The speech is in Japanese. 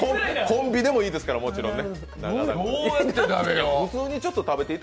コンビでもいいですから、もちろん。